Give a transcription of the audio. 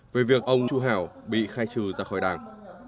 về việc ông chủ hảo bị khai trừ ra khỏi đảng